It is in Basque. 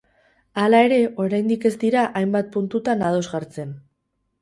Hala ere, oraindik ez dira hainbat puntutan ados jartzen.